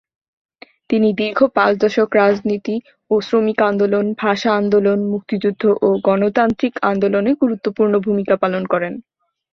তিনি দীর্ঘ পাঁচ দশক রাজনীতি ও শ্রমিক আন্দোলন, ভাষা আন্দোলন, মুক্তিযুদ্ধ ও গণতান্ত্রিক আন্দোলনে গুরুত্বপূর্ণ ভূমিকা পালন করেন।